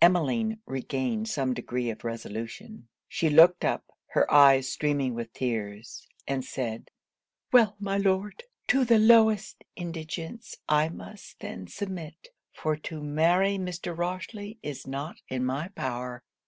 Emmeline regained some degree of resolution. She looked up, her eyes streaming with tears, and said, 'Well, my Lord! to the lowest indigence I must then submit; for to marry Mr. Rochely is not in my power.'